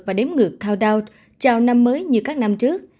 và đếm ngược countdown chào năm mới như các năm trước